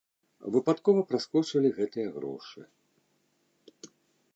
Выпадкова праскочылі гэтыя грошы.